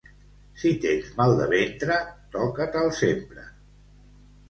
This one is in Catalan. Si tens mal de ventre, toca-te'l sempre.